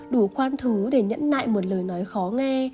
đủ khoan thú để nhẫn nại một lời nói khó nghe